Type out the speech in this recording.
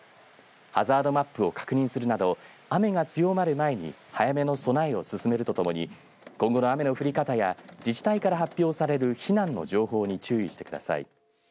ハザードマップを確認するなど雨が強まる前に早めの備えを進めるとともに今後の雨の降り方や自治体から発表される避難の情報に注意してください。